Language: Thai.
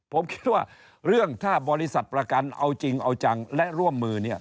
ผมคิดว่าเรื่องถ้าบริษัทประกันเอาจริงเอาจังและร่วมมือเนี่ย